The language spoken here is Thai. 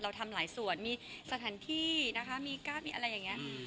ทำหลายส่วนมีสถานที่นะคะมีการ์ดมีอะไรอย่างนี้